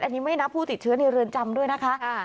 อันนี้ไม่นับผู้ติดเชื้อในเรือนจำด้วยนะคะ